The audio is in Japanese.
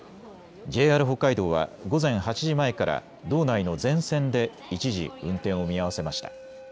ＪＲ北海道は午前８時前から道内の全線で一時運転を見合わせました。